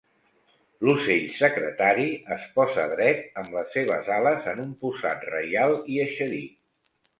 L'ocell secretari es posa dret amb les seves ales en un posat reial i eixerit.